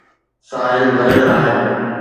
ساحل ڀريل آهن.